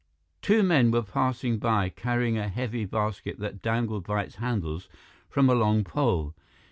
Two men were passing by, carrying a heavy basket that dangled by its handles from a long pole.